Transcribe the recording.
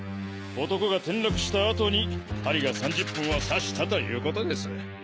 男が転落した後に針が３０分を指したということです。